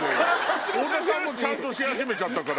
多田さんもちゃんとし始めちゃったから。